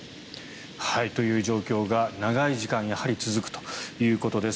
という状況が、やはり長い時間続くということです。